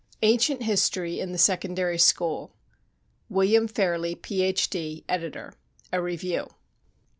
Ancient History in the Secondary School WILLIAM FAIRLEY, Ph.D., Editor. A REVIEW.